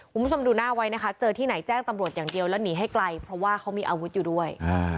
คุณผู้ชมดูหน้าไว้นะคะเจอที่ไหนแจ้งตำรวจอย่างเดียวแล้วหนีให้ไกลเพราะว่าเขามีอาวุธอยู่ด้วย